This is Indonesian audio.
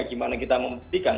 bagaimana kita memastikan